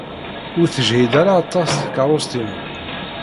Ur tejhid ara aṭas tkeṛṛust-inu.